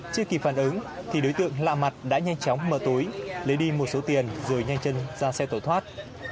chưa kịp phản ứng thì đối tượng lạ mặt đã nhanh chóng mở túi lấy đi một số tiền rồi nhanh chân ra xe tổ thoát